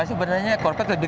sebenarnya corvette lebih kecil